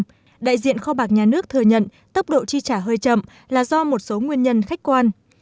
bộ chủ tịch bộ ngoại truyền thông tin kho bạc nhà nước thừa nhận tốc độ chi trả hơi chậm là do một số nguyên nhân khách quan